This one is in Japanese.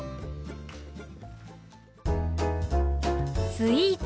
「スイーツ」。